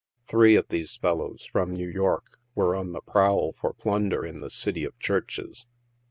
Three of these fel lows, from New York, were on the prowl for plunder in the City of Churches.